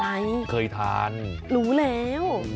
อะไรเคยทานรู้แล้ว